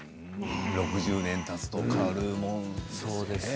６０年たつと変わるものですね。